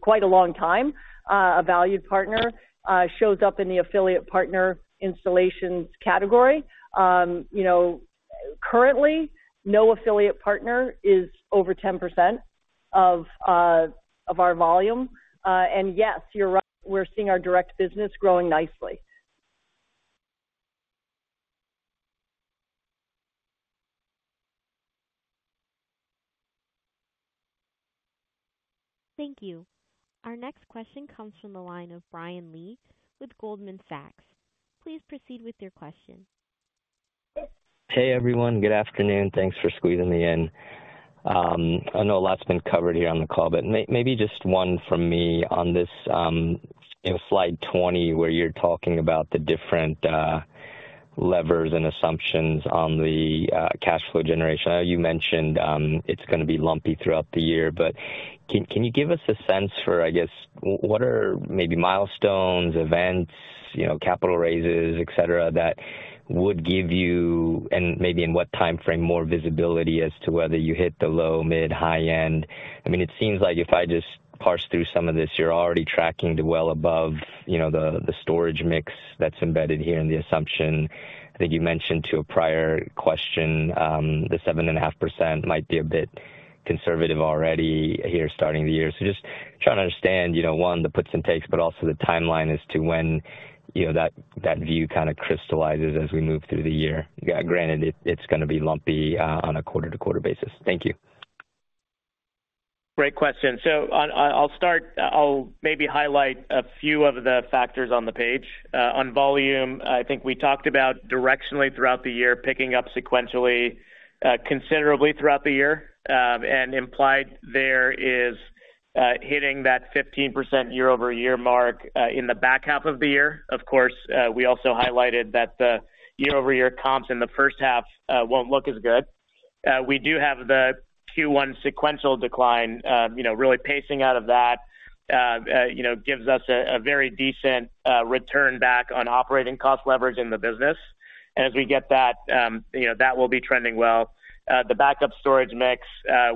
quite a long time, a valued partner, shows up in the Affiliate Partner Installations category. Currently, no Affiliate Partner is over 10% of our volume. And yes, you're right. We're seeing our Direct business growing nicely. Thank you. Our next question comes from the line of Brian Lee with Goldman Sachs. Please proceed with your question. Hey, everyone. Good afternoon. Thanks for squeezing me in. I know a lot's been covered here on the call, but maybe just one from me on this slide 20 where you're talking about the different levers and assumptions on the cash flow generation. I know you mentioned it's going to be lumpy throughout the year, but can you give us a sense for, I guess, what are maybe milestones, events, capital raises, etc., that would give you and maybe in what time frame more visibility as to whether you hit the low, mid, high end? I mean, it seems like if I just parse through some of this, you're already tracking well above the storage mix that's embedded here in the assumption. I think you mentioned to a prior question, the 7.5% might be a bit conservative already here starting the year. So just trying to understand, one, the puts and takes, but also the timeline as to when that view kind of crystallizes as we move through the year. Granted, it's going to be lumpy on a quarter-to-quarter basis. Thank you. Great question. So I'll maybe highlight a few of the factors on the page. On volume, I think we talked about directionally throughout the year, picking up sequentially, considerably throughout the year. And implied there is hitting that 15% year-over-year mark in the back half of the year. Of course, we also highlighted that the year-over-year comps in the first half won't look as good. We do have the Q1 sequential decline. Really pacing out of that gives us a very decent return back on operating cost leverage in the business. And as we get that, that will be trending well. The backup storage mix,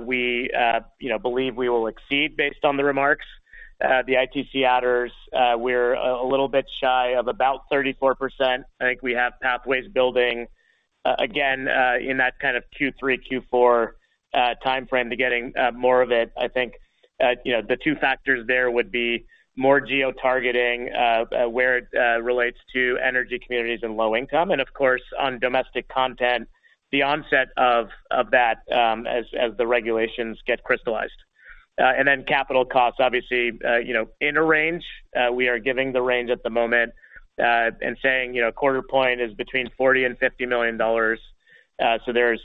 we believe we will exceed based on the remarks. The ITC adders, we're a little bit shy of about 34%. I think we have pathways building, again, in that kind of Q3, Q4 time frame to getting more of it. I think the two factors there would be more geo targeting, where it relates to Energy Communities and Low-Income. Of course, on Domestic Content, the onset of that as the regulations get crystallized. Then capital costs, obviously, in a range. We are giving the range at the moment and saying quarter point is between $40 million and $50 million. So there's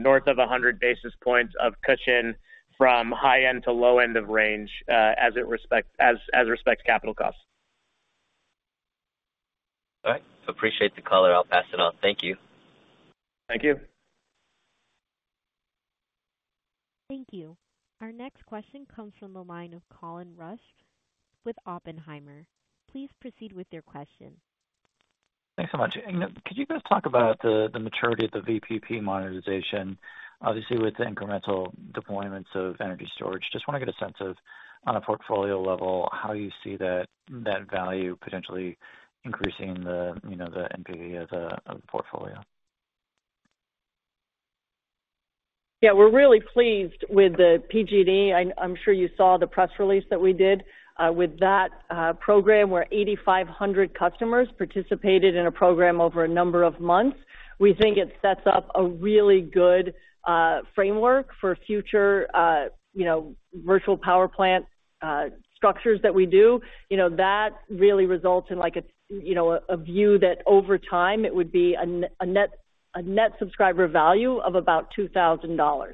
north of 100 basis points of cushion from high-end to low-end of range as it respects capital costs. All right. Appreciate the color. I'll pass it on. Thank you. Thank you. Thank you. Our next question comes from the line of Colin Rusch with Oppenheimer. Please proceed with your question. Thanks so much. Could you guys talk about the maturity of the VPP monetization, obviously, with the incremental deployments of energy storage? Just want to get a sense of, on a portfolio level, how you see that value potentially increasing the NPV of the portfolio. Yeah. We're really pleased with the PG&E. I'm sure you saw the press release that we did. With that program, where 8,500 customers participated in a program over a number of months, we think it sets up a really good framework for future virtual power plant structures that we do. That really results in a view that, over time, it would be a Net Subscriber Value of about $2,000.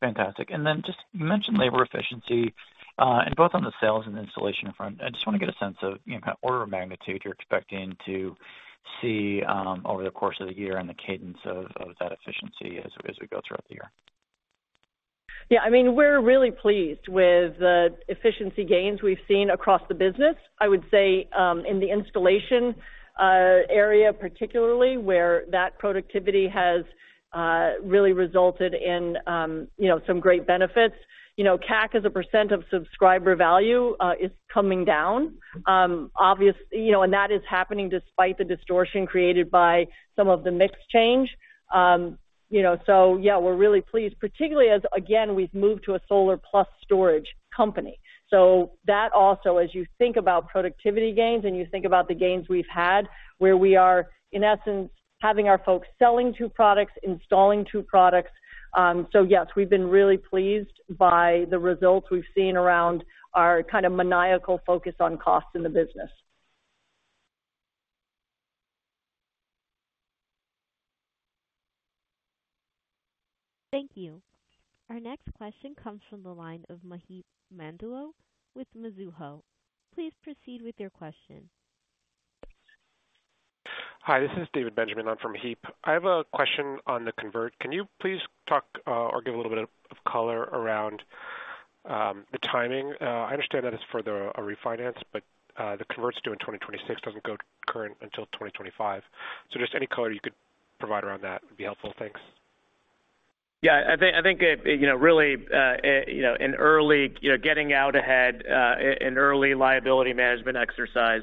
Fantastic. And then just you mentioned labor efficiency, and both on the sales and installation front. I just want to get a sense of kind of order of magnitude you're expecting to see over the course of the year and the cadence of that efficiency as we go throughout the year? Yeah. I mean, we're really pleased with the efficiency gains we've seen across the business. I would say in the installation area, particularly, where that productivity has really resulted in some great benefits, CAC as a % of Subscriber Value is coming down. And that is happening despite the distortion created by some of the mix change. So yeah, we're really pleased, particularly as, again, we've moved to a solar-plus storage company. So that also, as you think about productivity gains and you think about the gains we've had, where we are, in essence, having our folks selling two products, installing two products. So yes, we've been really pleased by the results we've seen around our kind of maniacal focus on costs in the business. Thank you. Our next question comes from the line of Maheep Mandloi with Mizuho. Please proceed with your question. Hi. This is David Benjamin. I'm for Maheep. I have a question on the convert. Can you please talk or give a little bit of color around the timing? I understand that it's for the refinance, but the convert's due in 2026. It doesn't go current until 2025. So just any color you could provide around that would be helpful. Thanks. Yeah. I think really an early getting out ahead, an early liability management exercise.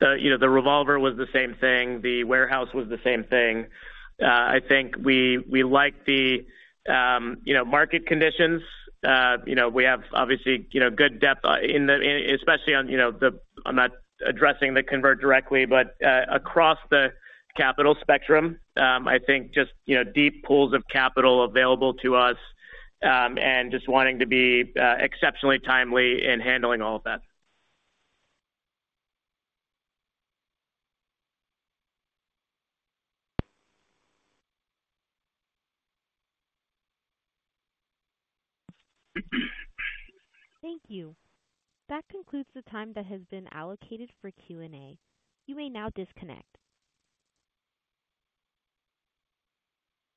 The revolver was the same thing. The warehouse was the same thing. I think we like the market conditions. We have, obviously, good depth, especially on the. I'm not addressing the convert directly, but across the capital spectrum, I think just deep pools of capital available to us and just wanting to be exceptionally timely in handling all of that. Thank you. That concludes the time that has been allocated for Q&A. You may now disconnect.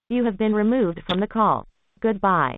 You have been removed from the call. Goodbye.